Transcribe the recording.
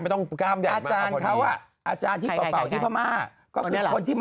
ไม่ต้องก้าบใหญ่มากหมดดี